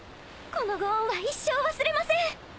このご恩は一生忘れません。